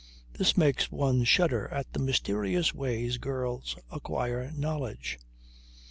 This makes one shudder at the mysterious ways girls acquire knowledge.